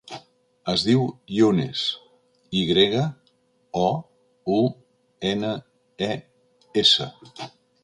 Es diu Younes: i grega, o, u, ena, e, essa.